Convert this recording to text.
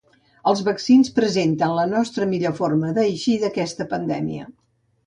Els vaccins presenten la nostra millor forma d’eixir d’aquesta pandèmia.